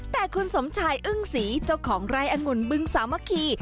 แต่คุณสมชายอึ้งศรีเจ้าของไร่อังุ่นบึงสามัคคี